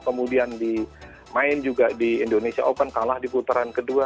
kemudian di indonesia open kalah di putaran kedua